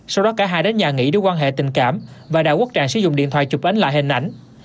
sau đó cả hai đến nhà nghỉ để quan hệ tình cảm và đạo quốc trạng sử dụng điện thoại chụp ánh lại hình ảnh